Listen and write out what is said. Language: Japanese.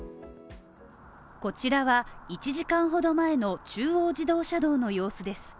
こちらは１時間ほど前の中央自動車道の様子です